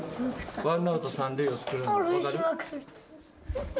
ワンアウト３塁を作るには、分かる？